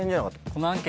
この。